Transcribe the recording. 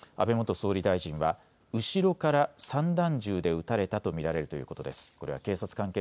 安倍元総理は後ろから散弾銃で撃たれたと見られるということです。